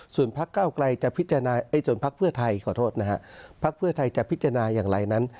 ส่วนภักดิ์เพื่อไทยจะพิจารณาอย่างไรนั้น